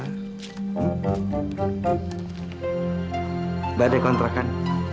nggak ada kontrakan